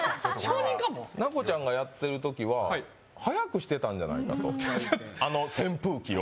奈子ちゃんがやってるときは速くしてたんじゃないかとあの扇風機を。